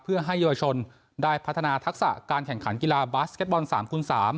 เพื่อให้เยาวชนได้พัฒนาทักษะการแข่งขันกีฬาบาสเก็ตบอล๓คูณ๓